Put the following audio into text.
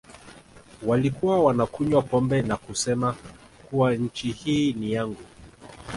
Walikuwa wanakunywa pombe na kusema kuwa nchi hii ni yangu